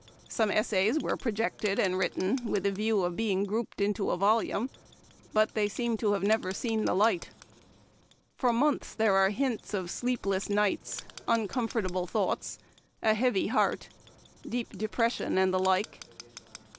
Some essays were projected and written with a view of being grouped into a volume, but they seem to have never seen the light. For months there are hints of "sleep less nights," " uncomfortable thoughts," " a Memoir of Washington Irving, 153 heavy heart," "deep depression," and the like.